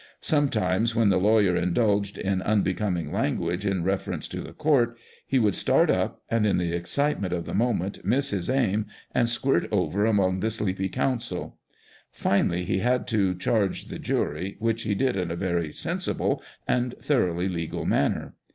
Sometimes, when the lawyer indulged in un becoming language in reference to the court, he would start up, and in the excitement of the moment miss 'his aim and squirt over among the sleepy counsel. Finally he had to charge the jury, which he did in a very sensible and thoroughly legal manner.